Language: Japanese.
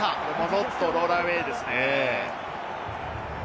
ノットロールアウェイですね。